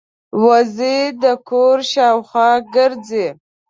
وزې د کور شاوخوا ګرځي